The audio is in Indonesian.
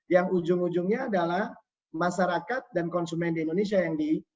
yang ujung ujungnya adalah masyarakat dan konsumen di indonesia yang di